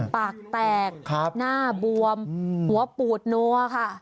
ปากแตกหน้าบวมหัวปูดนัวค่ะ